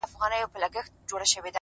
سترگي لكه دوې ډېوې _